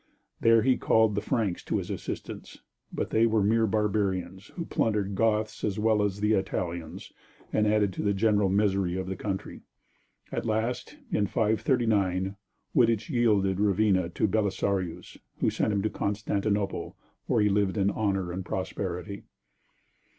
There he called the Franks to his assistance, but they were mere barbarians, who plundered Goths as well as Italians and added to the general misery of the country. At last, in 539, Wittich yielded Ravenna to Belisarius who sent him to Constantinople, where he lived in honor and prosperity.